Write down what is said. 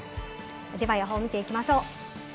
では、予報を見ていきましょう。